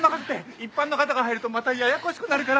一般の方が入るとまたややこしくなるから。